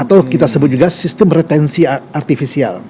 atau kita sebut juga sistem retensi artifisial